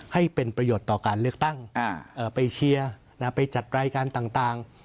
ให้เป็นประโยชน์ต่อการเลือกตั้งไปเชียร์ไปจัดรายการต่าง